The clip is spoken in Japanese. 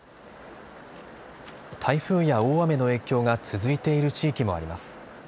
台風や大雨の影響が続いている地域もあります。